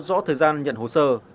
rõ thời gian nhận hồ sơ